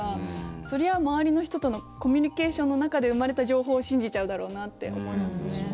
そりゃあ、周りの人とのコミュニケーションの中で生まれた情報を信じちゃうだろうなって思いますね。